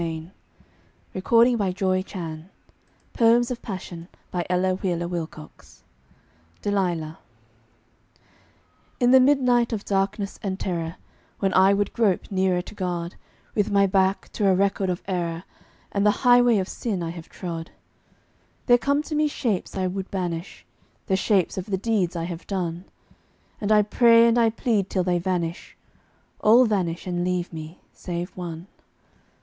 awake, I cried, "Thank God, thank God! A dream a dream!" DELILAH. In the midnight of darkness and terror, When I would grope nearer to God, With my back to a record of error And the highway of sin I have trod, There come to me shapes I would banish The shapes of the deeds I have done; And I pray and I plead till they vanish All vanish and leave me, save one.